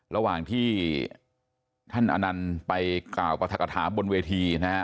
ระหว่างที่ท่านอนันต์ไปกล่าวปรัฐกฐาบนเวทีนะฮะ